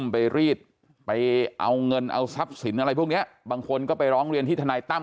ไปรีดไปเอาเงินเอาทรัพย์สินอะไรพวกนี้บางคนก็ไปร้องเรียนที่ทนายตั้ม